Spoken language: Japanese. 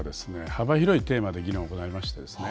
幅広いテーマで議論行いましてですね